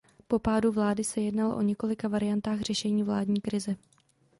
Po pádu vlády se jednalo o několika variantách řešení vládní krize.